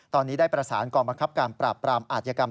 ตอนนี้ได้ประสานกองบังคับการปราบปรามอาธิกรรม